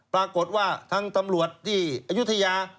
ปรากฏว่าทางตำรวจที่อายุทยา